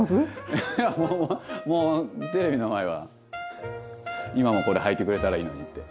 いやもうテレビの前は今もこれはいてくれたらいいのにって。